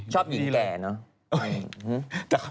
ชอบหญิงแก่เนอะ